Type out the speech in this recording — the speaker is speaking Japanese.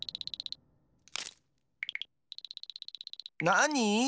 なに？